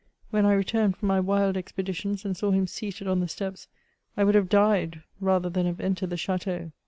When I returned from my wild expeditions, and saw him seated on the steps, I ^ould have died rather than have entered the chateau.